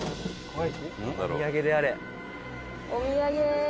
「お土産！」